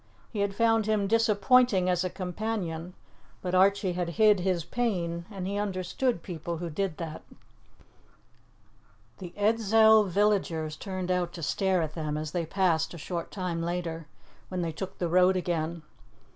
He had found him disappointing as a companion, but Archie had hid his pain, and he understood people who did that. The Edzell villagers turned out to stare at them as they passed a short time later, when they took the road again.